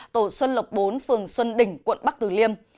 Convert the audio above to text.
tổ xuân lộc bốn phường xuân đình quận bắc từ liêm